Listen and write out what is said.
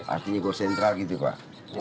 artinya gosentral gitu pak